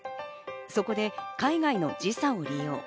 そこで海外の時差を利用。